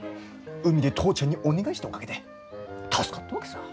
海で父ちゃんにお願いしたおかげで助かったわけさぁ。